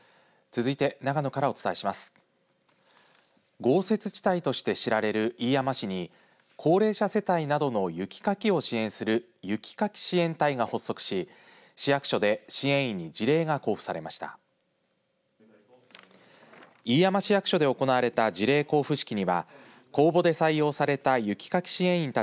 豪雪地帯として知られる飯山市に高齢者世帯などの雪かきを支援する雪かき支援隊が発足し市役所で支援員に辞令が交付されました。